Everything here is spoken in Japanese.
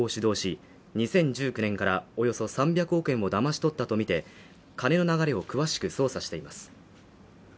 警視庁は佐藤容疑者が犯行を指導し、２０１９年からおよそ３００億円をだまし取ったとみて、金の流れを詳しく捜査しています。